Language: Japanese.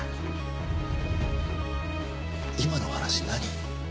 今の話なに？